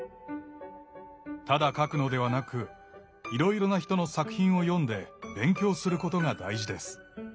ただ書くのではなくいろいろな人の作品を読んで勉強することが大事です。